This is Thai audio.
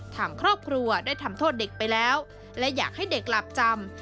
ทางครอบครัวได้ทำโทษเด็กไปแล้วและอยากให้เด็กหลับจำ